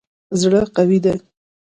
زړه قوي دی.